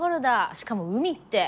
しかも海って。